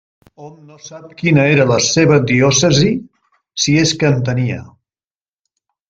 Hom no sap quina era la seva diòcesi, si és que en tenia.